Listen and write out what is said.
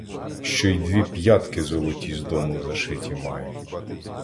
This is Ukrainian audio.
Ще й дві п'ятки золоті з дому зашиті маю.